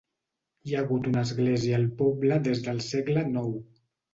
Hi ha hagut una església al poble des del segle IX.